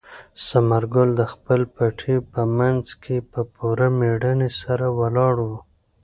ثمر ګل د خپل پټي په منځ کې په پوره مېړانې سره ولاړ و.